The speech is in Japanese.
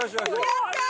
やったー！